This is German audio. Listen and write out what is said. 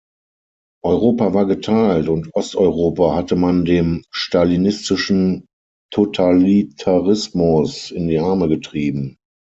Europa war geteilt, und Osteuropa hatte man dem stalinistischen Totalitarismus in die Arme getrieben.